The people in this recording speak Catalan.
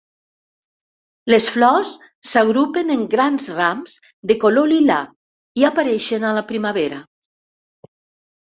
Les flors s'agrupen en grans rams de color lilà, i apareixen a la primavera.